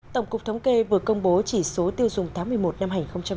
tổng cục thống kê vừa công bố chỉ số tiêu dùng tháng một mươi một năm hai nghìn hai mươi